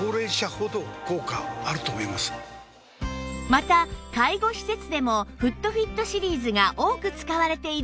また介護施設でもフットフィットシリーズが多く使われているんです